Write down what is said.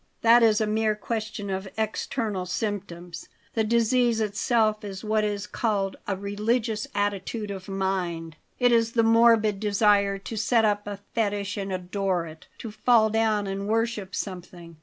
That is a mere question of external symptoms. The disease itself is what is called a religious attitude of mind. It is the morbid desire to set up a fetich and adore it, to fall down and worship something.